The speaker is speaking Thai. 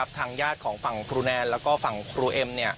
ทางญาติของฝั่งครูแนนแล้วก็ฝั่งครูเอ็ม